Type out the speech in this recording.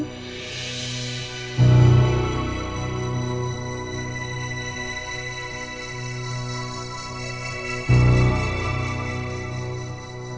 tapi kalau itu